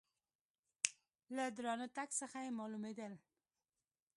له درانه تګ څخه یې مالومېدل .